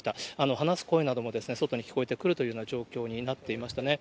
話す声なども、外に聞こえてくるというような状況になっていましたね。